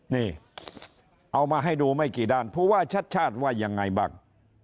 นี่เอามาให้ดูไม่กี่ด้านผู้ว่าชัดชาติว่ายังไงบ้าง